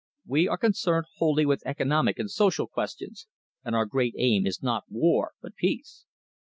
We are concerned wholly with economic and social questions, and our great aim is not war but peace."